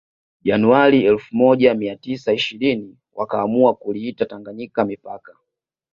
Januari elfu moja mia tisa ishirini wakaamua kuliita Tanganyika mipaka